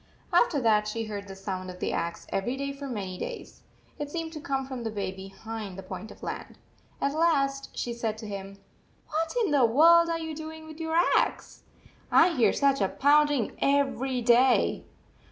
After that she heard the sound of the axe every day for many days. It seemed to come from the bay behind the point of land. At last she said to him: " What in the world are you doing with your axe ? I hear such a pounding everyday."